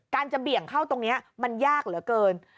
จะเบี่ยงเข้าตรงนี้มันยากเหลือเกิน